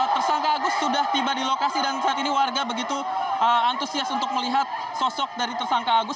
tersangka agus sudah tiba di lokasi dan saat ini warga begitu antusias untuk melihat sosok dari tersangka agus